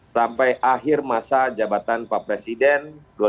sampai akhir masa jabatan pak presiden dua ribu dua puluh empat